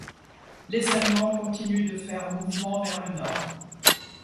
Les Allemands continuent de faire mouvement vers le nord.